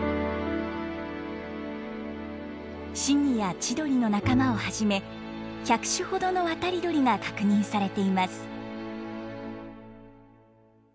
シギやチドリの仲間をはじめ１００種ほどの渡り鳥が確認されています。